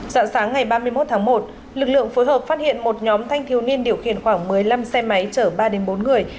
dạng sáng ngày ba mươi một tháng một lực lượng phối hợp phát hiện một nhóm thanh thiếu niên điều khiển khoảng một mươi năm xe máy chở ba đến bốn người